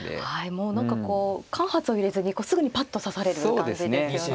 もう何かこう間髪を入れずにすぐにパッと指される感じですよね。